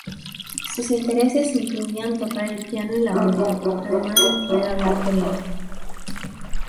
Sus intereses incluían tocar el piano y la viola, además de poder hablar coreano.